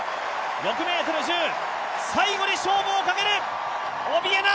６ｍ１０、最後に勝負をかけるオビエナ！